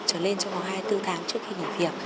trở lên trong vòng hai mươi bốn tháng trước khi nghỉ việc